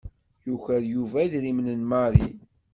Yuker Yuba idrimen n Mary.